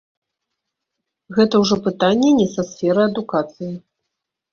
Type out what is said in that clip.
Гэта ўжо пытанне не са сферы адукацыі.